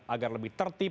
agar lebih tertib